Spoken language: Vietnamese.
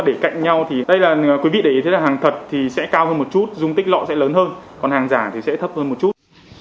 để cạnh nhau thì đây là quý vị để ý thế là hàng thật thì sẽ cao hơn một chút dung tích lọ sẽ lớn hơn còn hàng giả thì sẽ thấp hơn một chút